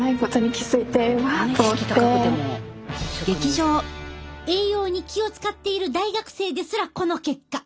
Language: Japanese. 栄養に気を遣っている大学生ですらこの結果。